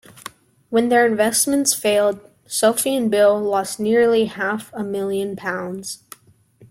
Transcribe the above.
When their investments failed, Sophie and Bill lost nearly half a million pounds